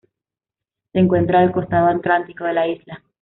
Se encuentra del costado Atlántico de la isla.